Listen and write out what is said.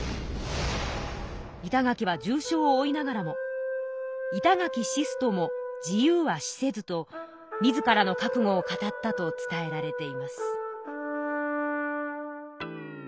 板垣は重傷を負いながらも「板垣死すとも自由は死せず」と自らの覚悟を語ったと伝えられています。